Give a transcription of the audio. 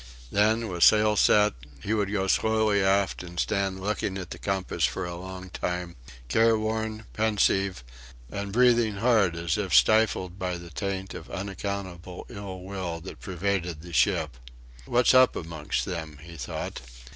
Then, the sail set, he would go slowly aft and stand looking at the compass for a long time, careworn, pensive, and breathing hard as if stifled by the taint of unaccountable ill will that pervaded the ship. "What's up amongst them?" he thought.